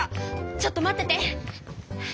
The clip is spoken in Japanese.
ちょっと待ってて！